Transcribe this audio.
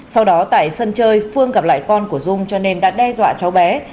sau đó tại sân chơi phương gặp lại con của dung cho nên đã đe dọa cháu bé